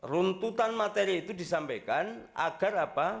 runtutan materi itu disampaikan agar apa